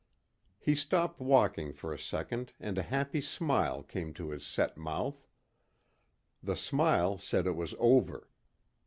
He stopped walking for a second and a happy smile came to his set mouth. The smile said it was over.